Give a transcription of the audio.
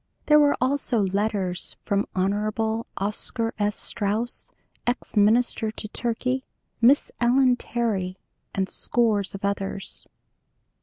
There were also letters from Hon. Oscar S. Strauss, ex minister to Turkey, Miss Ellen Terry, and scores of others.